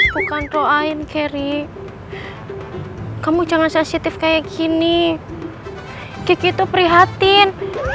bukan doain carry kamu jangan sensitif kayak gini kiki itu prihatin